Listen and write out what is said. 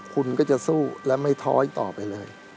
คุณก็จะสู้และไม่ท้อยต่อไปเลย